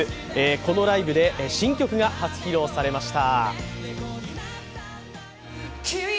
このライブで新曲が初披露されました。